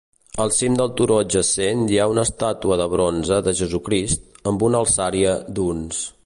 Al cim del turó adjacent hi ha una estàtua de bronze de Jesucrist, amb una alçària d'uns.